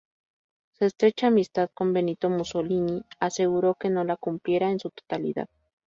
Su estrecha amistad con Benito Mussolini aseguró que no la cumpliera en su totalidad.